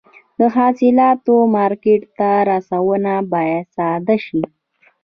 د حاصلاتو مارکېټ ته رسونه باید ساده شي.